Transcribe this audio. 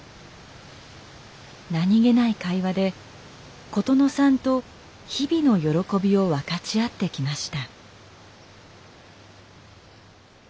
何気ない会話で琴乃さんと日々の喜びを分かち合ってきました。